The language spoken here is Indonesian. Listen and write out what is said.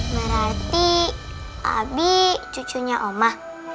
berarti abi cucunya oma